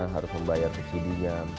harus membayar subsidi nya